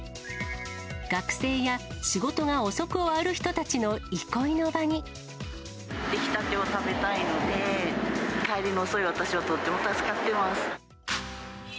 学生や仕事が遅く終わる人た出来たてを食べたいので、帰りの遅い私はとっても助かってます。